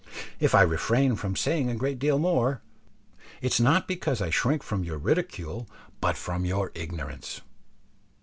If I refrain from saying a great deal more, it is not because I shrink from your ridicule but from your ignorance.